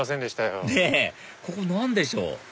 ねぇここ何でしょう？